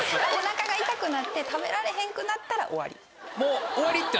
お腹が痛くなって食べられへんくなったら終わり。